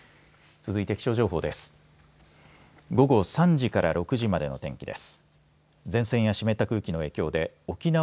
続いて気象情報です。